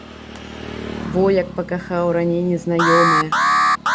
Во як пакахаў раней незнаёмае.